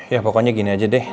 ya pokoknya gini aja deh